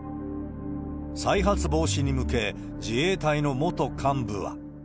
再発防止に向け、自衛隊の元幹部は。